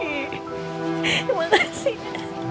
ini udah istirahat ya